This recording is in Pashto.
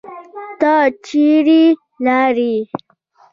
ته چیرې لاړې؟